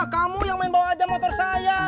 kamu yang main bawa aja motor saya